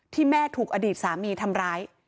แม่ถูกอดีตสามีทำร้าย